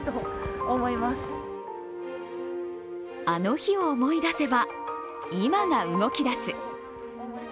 あの日を思い出せば今が動きだす。